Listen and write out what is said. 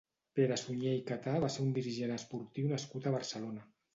Pere Suñé i Catà va ser un dirigent esportiu nascut a Barcelona.